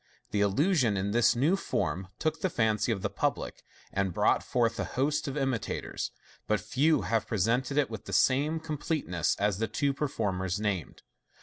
The illusion, in this new form, took the fancy of the public, and brought forth a host of imitators j but few have presented it with the same completeness as the two performers named.